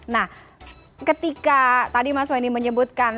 nah ketika tadi mas wendy menyebutkan